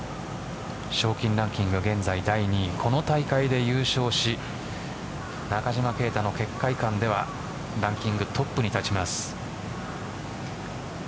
賞金ランキング現在第２位大会で優勝し中島啓太の結果いかんではランキングトップに立ちます。